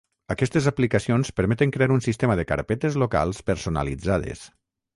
Aquestes aplicacions permeten crear un sistema de carpetes locals personalitzades.